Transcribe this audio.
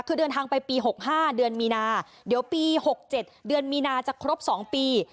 คือเดินทางไปปี๖๕เดือนมีนาเดี๋ยวปี๖๗เดือนมีนาจะครบ๒ปี